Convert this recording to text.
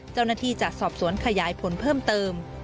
เจ้าหน้าที่จะสอบสวนขยายผลเพิ่มเติม